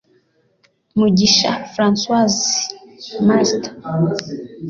Mugisha François (Master)